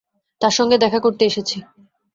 তাঁর সঙ্গে দেখা করতে এসেছি।